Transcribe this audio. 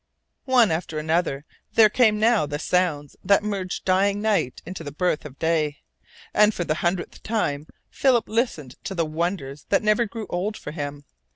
One after another there came now the sounds that merged dying night into the birth of day, and for the hundredth time Philip listened to the wonders that never grew old for him.